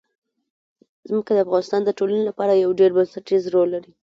ځمکه د افغانستان د ټولنې لپاره یو ډېر بنسټيز رول لري.